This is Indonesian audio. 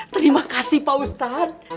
terima kasih pak ustad